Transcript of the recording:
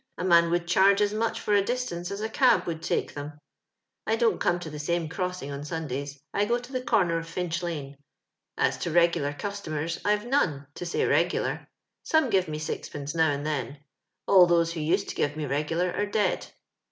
A man would charge as much for a distance as a cab would take them. '* I don't come to the same crossing on Sundays ; I go to the comer of Finch lane. As to regular customers, I've none — to say regular; some give me sixpence now and then. All those who used to give me regular are dead.